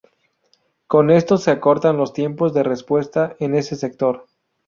Con esto se acortan los tiempos de respuesta en ese sector.